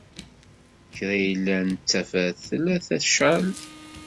Kra yellan d tafat tella tecɛel.